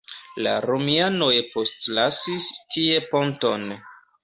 La romianoj postlasis tie ponton.